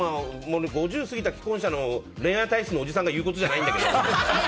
５０過ぎた既婚者の恋愛体質のおじさんが言うことじゃないんだけど。